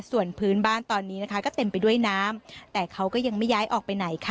ส่วนพื้นบ้านตอนนี้นะคะก็เต็มไปด้วยน้ำแต่เขาก็ยังไม่ย้ายออกไปไหนค่ะ